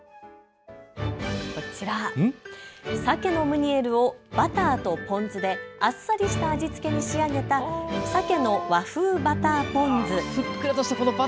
こちら、さけのムニエルをバターとポン酢であっさりした味付けに仕上げた鮭の和風バターポン酢。